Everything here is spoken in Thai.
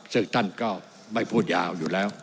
ซึ่งท่านก็ไม่พูดยาวอยู่แล้ว